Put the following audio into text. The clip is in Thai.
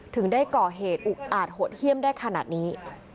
ถึงได้ก่อเหตุอุกอาจโหดเยี่ยมได้ขนาดนี้